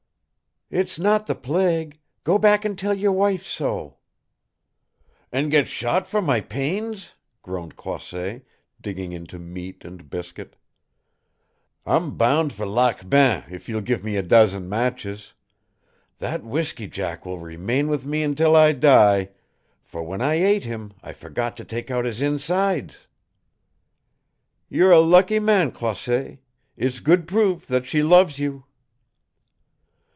"It's not the plague. Go back and tell your wife so." "And get shot for my pains!" groaned Croisset, digging into meat and biscuit. "I'm bound for Lac Bain, if you'll give me a dozen matches. That whisky jack will remain with me until I die, for when I ate him I forgot to take out his insides!" "You're a lucky man, Croisset. It's good proof that she loves you."